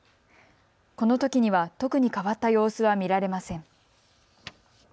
このときには特に変わった様子は見られません。